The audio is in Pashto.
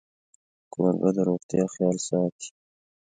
کوربه د روغتیا خیال ساتي.